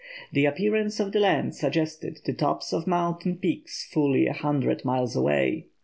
The appearance of the land suggested the tops of mountain peaks fully a hundred miles away.